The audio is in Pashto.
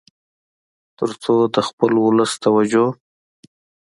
تر څو د خپل ولس توجه